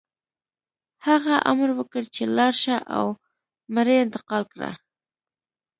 هغه امر وکړ چې لاړ شه او مړي انتقال کړه